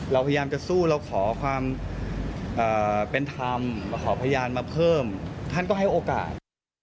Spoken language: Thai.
เราพยายามจะสู้เราขอความเป็นธรรมมาขอพยานมาเพิ่มท่านก็ให้โอกาส